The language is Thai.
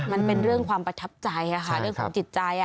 มันเป็นเรื่องความประทับใจค่ะเรื่องของจิตใจ